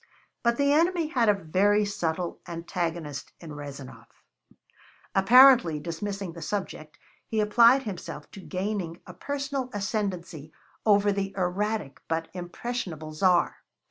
But the enemy had a very subtle antagonist in Rezanov. Apparently dismissing the subject, he applied himself to gaining a personal ascendancy over the erratic but impressionable Tsar.